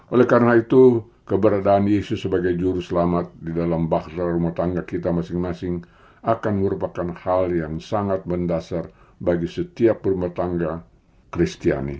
oleh karena itu keberadaan yesus sebagai juru selamat di dalam bahasa rumah tangga kita masing masing akan merupakan hal yang sangat mendasar bagi setiap rumah tangga kristiani